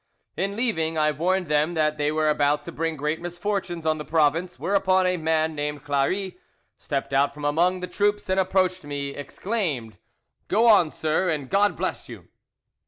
"In leaving, I warned them that they were about to bring great misfortunes on the province, whereupon a man named Claris stepped out from among the troops, and approaching me exclaimed, 'Go on, sir, and God bless you!